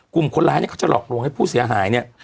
กลุ่มคนร้ายเนี่ยเขาจะหลอกลวงให้ผู้เสียหายเนี่ย